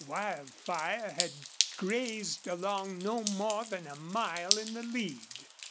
Wildfire had grazed along no more than a mile in the lead.